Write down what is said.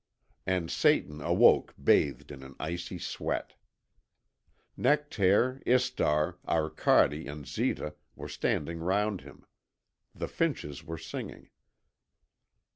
And Satan awoke bathed in an icy sweat. Nectaire, Istar, Arcade, and Zita were standing round him. The finches were singing.